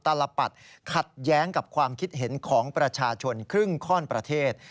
ตลปัดขัดแย้งกับความคิดเห็นของประชาชนครึ่งข้อนประเทศ